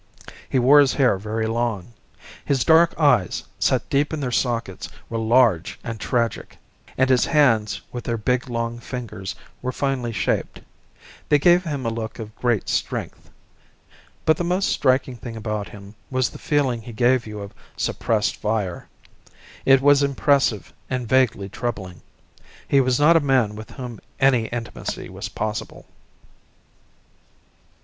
He wore his hair very long. His dark eyes, set deep in their sockets, were large and tragic; and his hands with their big, long fingers, were finely shaped; they gave him a look of great strength. But the most striking thing about him was the feeling he gave you of suppressed fire. It was impressive and vaguely troubling. He was not a man with whom any intimacy was possible.